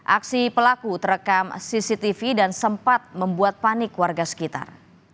aksi pelaku terekam cctv dan sempat membuat panik warga sekitar